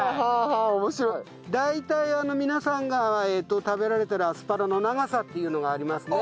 大体皆さんが食べられてるアスパラの長さっていうのがありますね。